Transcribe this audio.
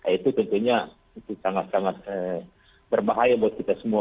itu tentunya sangat sangat berbahaya buat kita semua